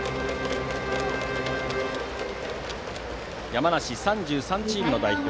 山梨３３チームの代表